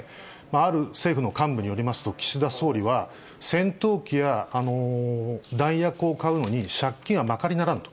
ある政府の幹部によりますと、岸田総理は、戦闘機や弾薬を買うのに、借金はまかりならんと。